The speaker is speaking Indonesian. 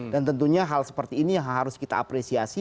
dan tentunya hal seperti ini yang harus kita apresiasi